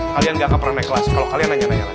kalian gak pernah naik kelas kalau kalian nanya nanya lagi